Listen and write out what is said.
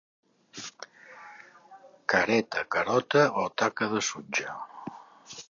Careta, carota o taca de sutge.